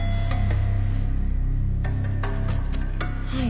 ・はい。